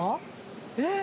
えっ？